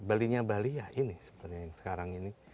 balinya bali ya ini sebenarnya yang sekarang ini